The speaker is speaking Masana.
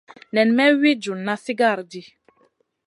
Nen may wi djuna sigara di.